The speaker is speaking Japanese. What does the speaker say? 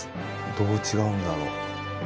どう違うんだろう。